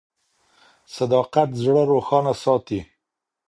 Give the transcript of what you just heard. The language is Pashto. صداقت زړه روښانه ساتي.